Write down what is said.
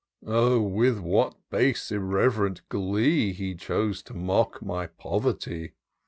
Oh, with what base irreverent glee He chose to mock my poverty